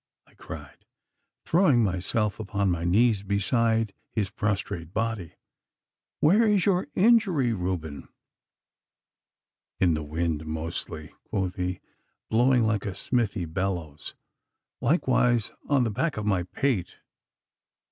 I cried, throwing myself upon my knees beside his prostrate body. 'Where is your injury, Reuben?' 'In the wind, mostly,' quoth he, blowing like a smithy bellows; 'likewise on the back of my pate.